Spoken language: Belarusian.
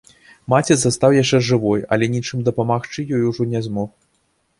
Маці застаў яшчэ жывой, але нічым дапамагчы ёй ужо не змог.